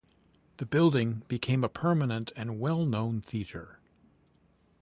The building became a permanent and well known theatre.